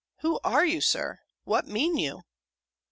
Who are you, Sir? What mean you?"